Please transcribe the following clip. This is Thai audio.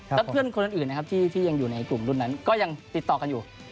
แล้วเพื่อนคนอื่นนะครับที่ยังอยู่ในกลุ่มรุ่นนั้นก็ยังติดต่อกันอยู่